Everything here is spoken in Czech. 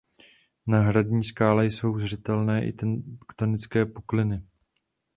Na hradní skále jsou zřetelné i tektonické poruchy.